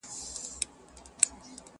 نن هغه سالار د بل په پښو كي پروت دئ!